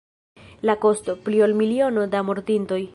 La kosto: pli ol miliono da mortintoj.